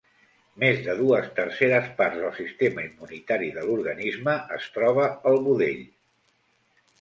Més de dues terceres parts del sistema immunitari de l'organisme es troba al budell.